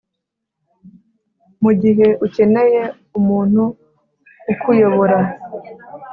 mugihe ukeneye umuntu ukuyobora…